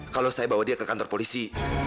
kalau saya bawa dia ke kantor polisi